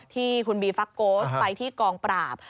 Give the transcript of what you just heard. ที่คุณบีฟักโกสไปที่กองปราบ